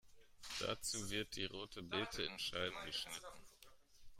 Dazu wird die rote Bete in Scheiben geschnitten.